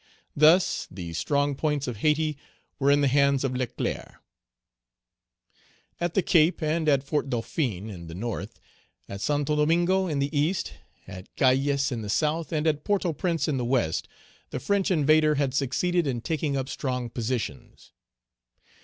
Thus, the strong points of Hayti were in the hands of Leclerc. At the Cape and at Fort Dauphin in the North, at Santo Domingo in the East, at Cayes in the South, and at Port au Prince in the West, the French invader had succeeded in taking up strong positions.